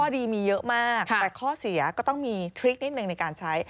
ดีมีเยอะมากแต่ข้อเสียก็ต้องมีทริคนิดหนึ่งในการใช้